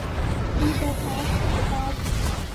কী ব্যাপার, অ্যাব?